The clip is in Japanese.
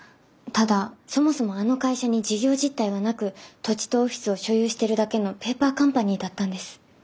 ただそもそもあの会社に事業実態はなく土地とオフィスを所有してるだけのペーパーカンパニーだったんです。